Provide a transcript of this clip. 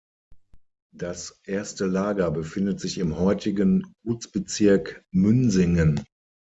Das erste Lager befindet sich im heutigen Gutsbezirk Münsingen.